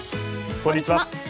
こんにちは。